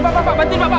yang dikenali jenazah